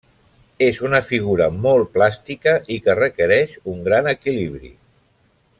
És una figura molt plàstica i que requereix un gran equilibri.